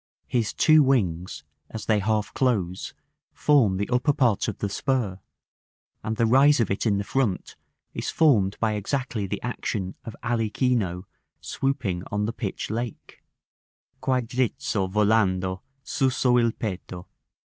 His two wings, as they half close, form the upper part of the spur, and the rise of it in the front is formed by exactly the action of Alichino, swooping on the pitch lake: "quei drizzo, volando, suso il petto."